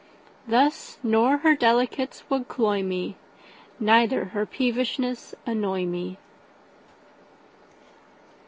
Thus, nor her delicates would cloy me, Neither her peevishness annoy me.